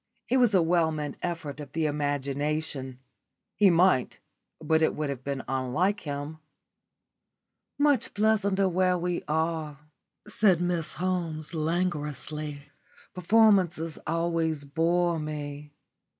It was a well meant effort of the imagination. He might, but it would have been unlike him. "Much pleasanter where we are," said Miss Holmes, languorously. "Performances always bore me."